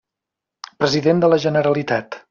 President de la Generalitat.